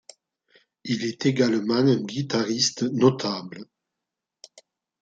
Il est également un guitariste notable.